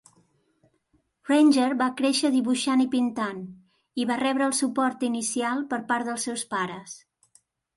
Ranger va créixer dibuixant i pintant, i va rebre el suport inicial per part dels seus pares.